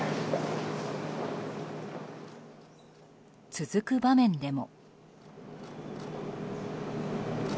続く場面でも。